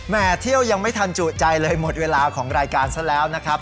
เที่ยวยังไม่ทันจุใจเลยหมดเวลาของรายการซะแล้วนะครับ